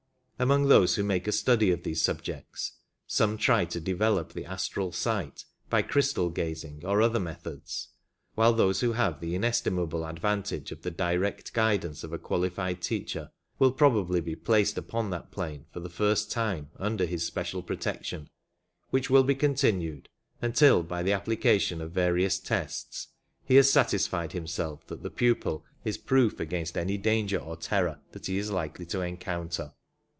Among those who make a study of these subjects, some try to develop the astral sight by crystal gazing or other methods, while those who have the inestimable advantage of the direct guidance of a qualified teacher will probably be placed upon that plane for the first time under his special protection, which will be continued until, by the application of various tests, he has satisfied himself that the pupil is proof against any danger or terror that he is likely to encounter.